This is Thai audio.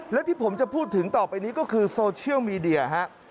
และที่ผมจะพูดถึงต่อไปนี้ก็คือโซเชียลมีเดียฮะ